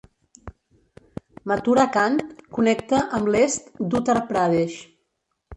"Mathura Cantt" connecta amb l'est d'Uttar Pradesh.